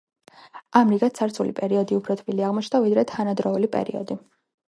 ამრიგად ცარცული პერიოდი უფრო თბილი აღმოჩნდა ვიდრე თანადროული პერიოდი.